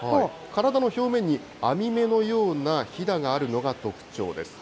体の表面に網目のようなひだがあるのが特徴です。